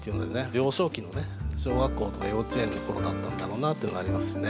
幼少期のね小学校とか幼稚園の頃だったんだろうなっていうのがありますよね。